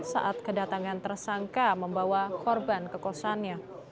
saat kedatangan tersangka membawa korban ke kosannya